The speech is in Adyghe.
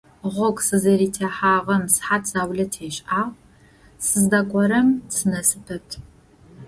Гъогу сызэрытехьагъэм сыхьат заулэ тешӀагъ, сыздакӀорэм сынэсы пэт.